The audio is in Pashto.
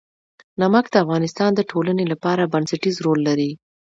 نمک د افغانستان د ټولنې لپاره بنسټيز رول لري.